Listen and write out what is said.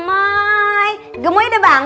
gemoy gemoy gemoy udah bangun